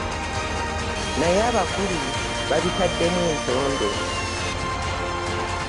Naye abakulu babitaddemu entondo .